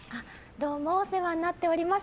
どうもお世話になっております